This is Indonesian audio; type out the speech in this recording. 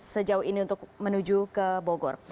sejauh ini untuk menuju ke bogor